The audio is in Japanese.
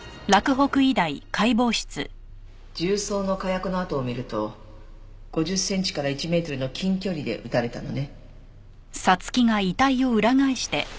銃創の火薬の痕を見ると５０センチから１メートルの近距離で撃たれたのね。